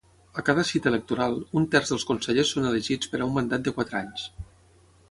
A cada cita electoral, un terç dels consellers són elegits per a un mandat de quatre anys.